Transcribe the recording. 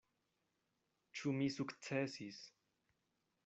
Ĉu mi sukcesis?